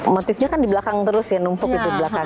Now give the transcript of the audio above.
motifnya kan di belakang terus ya numpuk itu di belakang